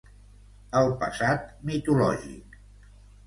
El passat mitològic.